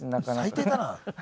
最低だな。